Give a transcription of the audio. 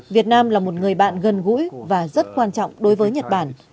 việt nam là một người bạn gần gũi và rất quan trọng đối với nhật bản